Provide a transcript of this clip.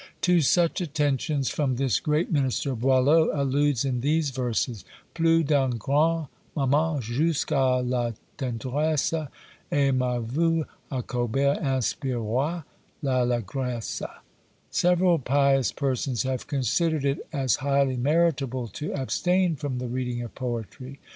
To such attentions from this great minister, Boileau alludes in these verses: Plus d'un grand m'aima jusqnes à la tendresse; Et ma vue à Colbert inspiroit l'allégresse. Several pious persons have considered it as highly meritable to abstain from the reading of poetry!